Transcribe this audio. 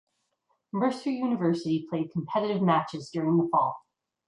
Mercer University played competitive matches during the fall.